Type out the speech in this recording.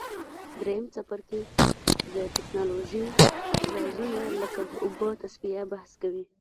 دریم څپرکی د تکنالوژۍ رازونه لکه د اوبو تصفیه بحث کوي.